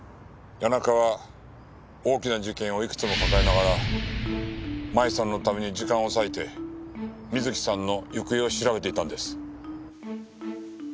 谷中は大きな事件をいくつも抱えながら麻衣さんのために時間を割いて瑞希さんの行方を調べていたんです。